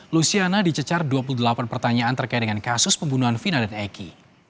luciana dicecar dua puluh delapan pertanyaan terkait dengan kasus pembunuhan vina dan eki